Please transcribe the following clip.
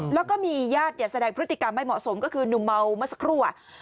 แล้วก็มีญาติแสดงพฤติกรรมไม่เหมาะสมก็คือหนุ่มเมาเมื่อสักครู่